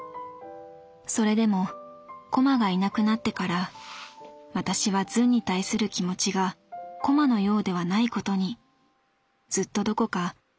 それでもコマがいなくなってから私はズンに対する気持ちがコマのようではないことにずっとどこか罪悪感のようなものを抱えていた」。